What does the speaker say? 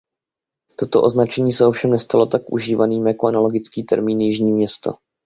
Toto označení se ovšem nestalo tak užívaným jako analogický termín Jižní Město.